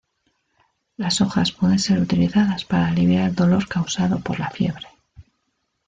Las hojas pueden ser utilizadas para aliviar el dolor causado por la fiebre.